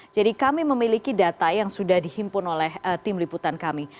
jadi kami memiliki data yang sudah dihimpun oleh tim liputan kami